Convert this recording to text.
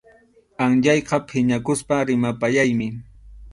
Anyayqa phiñakuspa rimapayaymi.